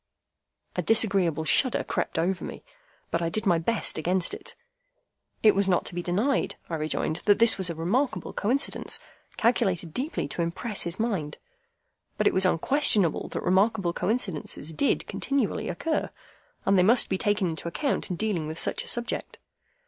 A disagreeable shudder crept over me, but I did my best against it. It was not to be denied, I rejoined, that this was a remarkable coincidence, calculated deeply to impress his mind. But it was unquestionable that remarkable coincidences did continually occur, and they must be taken into account in dealing with such a subject.